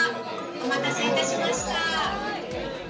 お待たせいたしました」。